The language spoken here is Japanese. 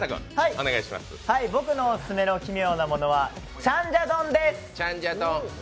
僕のオススメの奇妙なものはチャンジャ丼です。